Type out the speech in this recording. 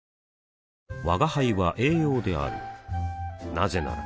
なぜなら